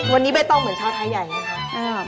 วันนี้ใบตองเหมือนชาวไทยใหญ่ไหมคะ